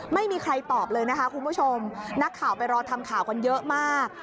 ไม่มีใครตอบเลยนะคะคุณผู้ชมนักข่าวไปรอทำข่าวกันเยอะมาก